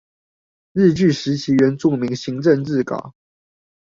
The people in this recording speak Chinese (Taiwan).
日據時期原住民行政志稿